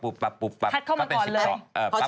อ๋อจาก๒๔พัดเข้ามาก่อนเลย